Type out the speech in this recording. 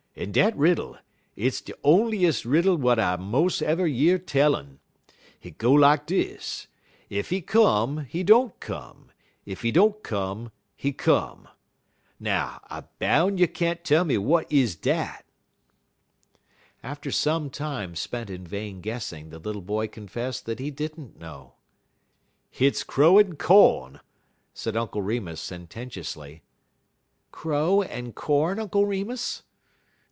En dat riddle it's de outdoin'es' riddle w'at I mos' ever year tell un. Hit go lak dis: Ef he come, he don't come; ef he don't come, he come. Now, I boun' you can't tell w'at is dat." After some time spent in vain guessing, the little boy confessed that he did n't know. "Hit's crow en co'n," said Uncle Remus sententiously. "Crow and corn, Uncle Remus?"